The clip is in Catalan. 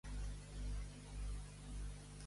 Ella com concep el feminisme?